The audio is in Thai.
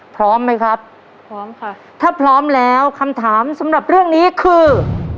พร้อมไหมครับพร้อมค่ะถ้าพร้อมแล้วคำถามสำหรับเรื่องนี้คือ